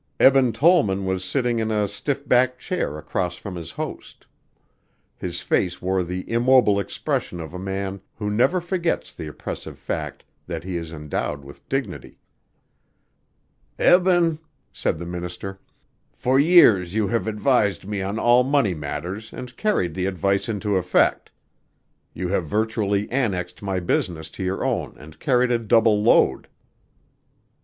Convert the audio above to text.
Eben Tollman was sitting in a stiff backed chair across from his host. His face wore the immobile expression of a man who never forgets the oppressive fact that he is endowed with dignity. "Eben," said the minister, "for years you have advised me on all money matters and carried the advice into effect. You have virtually annexed my business to your own and carried a double load."